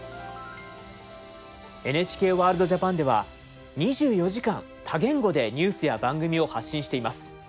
「ＮＨＫワールドＪＡＰＡＮ」では２４時間多言語でニュースや番組を発信しています。